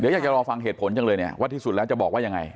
อยากจะรอฟังเหตุผลจังเลยเนี่ยว่าที่สุดแล้วจะบอกว่ายังไง